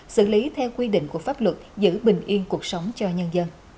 xử lý theo quy định của pháp luật giữ bình yên cuộc sống cho nhân dân